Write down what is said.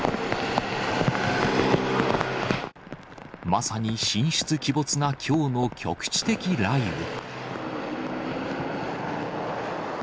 まさに神出鬼没なきょうの局地的雷雨。